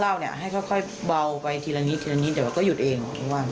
เดี๋ยวก็หยุดเอง